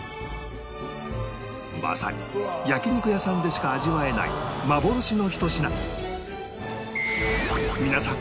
まさに焼肉屋さんでしか味わえない幻のひと品